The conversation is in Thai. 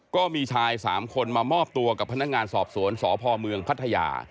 ก็มีชาย๓คนมามอบตัวกับพนักงานสอบสวนสพเมืองพัทยา